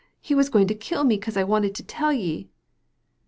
He was going to kill me 'cause I wanted to tell ye."